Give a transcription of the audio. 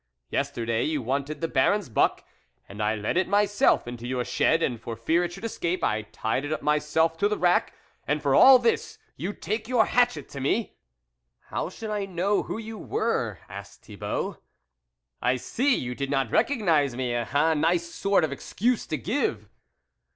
Yesterday you wanted the Baron's buck, and I led it myself into your shed, and for fear it should escape, I tied it up myself to the rack. And for all this you take your hatchet to me !"" How should I know who your were ?" asked Thibault. " I see, you did not recognise me ! A nice sort of excuse to give."